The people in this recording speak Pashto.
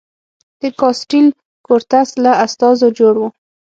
د کاسټیل کورتس له استازو جوړ و.